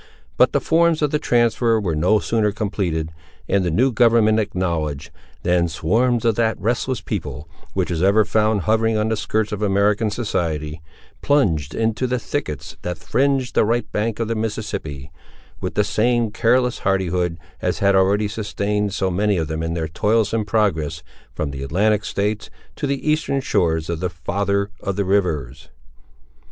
But the forms of the transfer were no sooner completed, and the new government acknowledged, than swarms of that restless people, which is ever found hovering on the skirts of American society, plunged into the thickets that fringed the right bank of the Mississippi, with the same careless hardihood, as had already sustained so many of them in their toilsome progress from the Atlantic states, to the eastern shores of the "father of rivers."